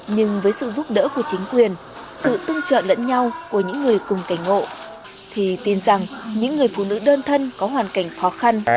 nhưng với sự giúp đỡ của chính quyền sự tương trợ lẫn nhau của những người cùng cảnh ngộ thì tin rằng những người phụ nữ đơn thân có hoàn cảnh khó khăn